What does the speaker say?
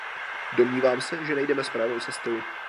Domnívám se, že nejdeme správnou cestou.